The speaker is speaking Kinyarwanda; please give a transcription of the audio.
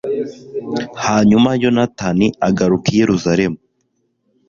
hanyuma yonatani agaruka i yeruzalemu